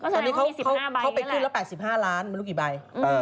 ตอนนี้เขาไปขึ้นแล้ว๘๕ล้านไม่รู้กี่ใบ